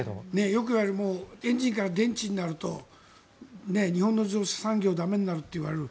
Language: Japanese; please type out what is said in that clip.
よくいわれるエンジンから電池になると日本の自動車産業は駄目になるといわれる。